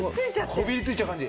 こびり付いちゃう感じ。